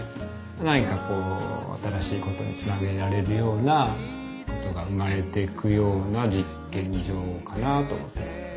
何かこう新しいことにつなげられるようなことが生まれていくような実験場かなと思ってます。